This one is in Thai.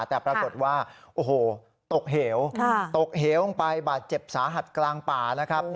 แต่ปรากฏว่าโอ้โหตกเหวตกเหวลงไปบาดเจ็บสาหัสกลางป่านะครับ